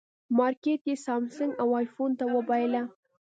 مارکېټ یې سامسونګ او ایفون ته وبایله.